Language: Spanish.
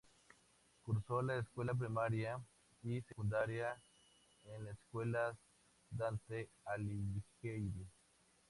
Cursó la escuela primaria y secundaria en la escuela Dante Alighieri.